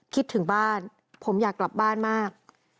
คิดถึงบ้านผมอยากกลับบ้านมาก